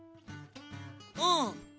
うん。